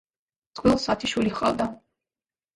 წყვილს ათი შვილი ჰყავდა.